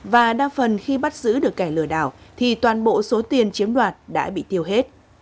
và đa phần khi bắt giữ được kẻ lừa đảo thì toàn bộ số tiền chiếm đoạt đã bị tiêu hết